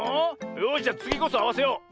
よしじゃつぎこそあわせよう。